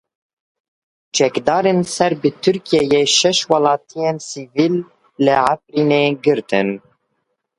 Çekdarên ser bi Tirkiyeyê şeş welatiyên sivîl li Efrînê girtin.